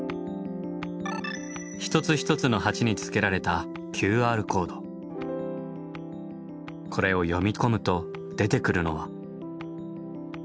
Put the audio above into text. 一つ一つの鉢につけられたこれを読み込むと出てくるのは。